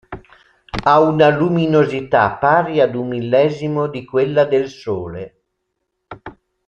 Ha una luminosità pari ad un millesimo di quella del Sole.